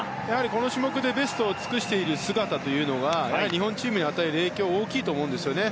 この種目でベストを尽くしている姿というのは日本チームに与える影響は大きいと思うんですね。